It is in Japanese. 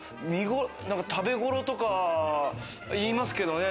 食べ頃とか言いますけどね。